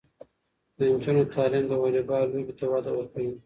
د نجونو تعلیم د والیبال لوبې ته وده ورکوي.